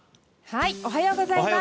おはようございます。